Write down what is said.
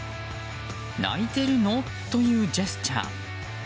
泣いているの？というジェスチャー。